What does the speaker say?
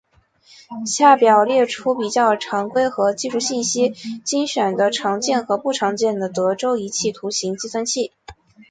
下表列出比较常规和技术信息精选的常见和不常见的德州仪器图形计算器。